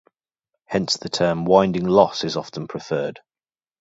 Hence the term winding loss is often preferred.